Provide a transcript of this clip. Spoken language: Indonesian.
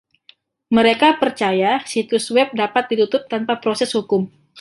Mereka percaya situs web dapat ditutup tanpa proses hukum.